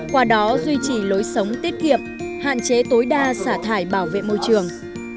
qua đó duy trì lối sống tiết kiệm hạn chế tối đa xả thải bảo vệ môi trường